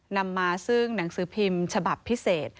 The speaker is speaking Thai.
นำมาซึ่งหนังสือพิมพ์ฉบับพิเศษ